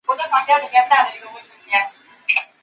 汉代属益州蜀郡成都县。